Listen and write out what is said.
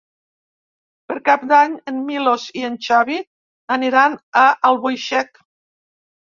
Per Cap d'Any en Milos i en Xavi aniran a Albuixec.